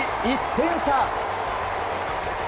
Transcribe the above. １点差。